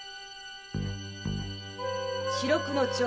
四六の丁。